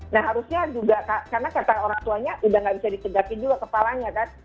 nah harusnya juga karena kata orang tuanya sudah tidak bisa ditegakin juga kepalanya kan